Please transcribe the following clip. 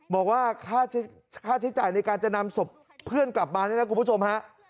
บอกว่าค่าใช้จ่ายในการจะนำศพเพื่อนกลับมาเนี่ยนะคุณผู้ชมฮะ